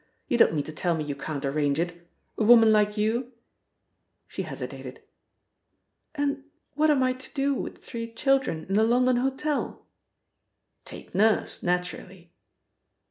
You don't mean to tell me you can't arrange it a woman like you!" She hesitated. "And what am I to do with three children in a London hotel?" "Take Nurse, naturally."